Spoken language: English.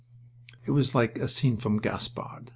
It was like a scene from "Gaspard."